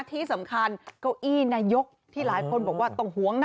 ที่สำคัญเก้าอี้นายกที่หลายคนบอกว่าต้องหวงนะ